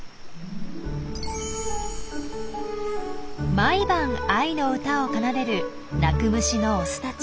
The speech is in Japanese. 毎晩愛の歌を奏でる鳴く虫のオスたち。